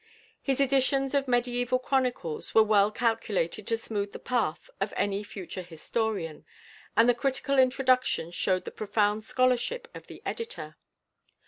His editions of mediæval chronicles were well calculated to smooth the path of any future historian, and the critical introductions showed the profound scholarship of the editor.